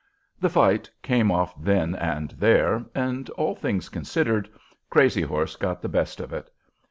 The fight came off then and there, and, all things considered, Crazy Horse got the best of it.